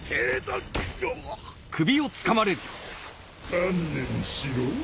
観念しろ？